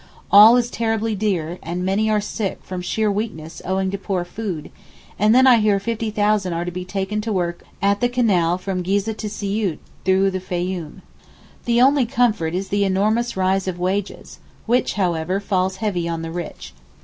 All is terribly dear, and many are sick from sheer weakness owing to poor food; and then I hear fifty thousand are to be taken to work at the canal from Geezeh to Siout through the Fayoum. The only comfort is the enormous rise of wages, which however falls heavy on the rich.